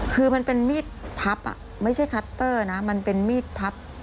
คือมันเป็นมีดพับไม่ใช่คัตเตอร์นะมันเป็นมีดพับ